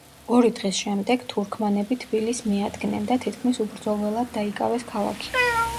ორი დღის შემდეგ თურქმანები თბილისს მიადგნენ და თითქმის უბრძოლველად დაიკავეს ქალაქი.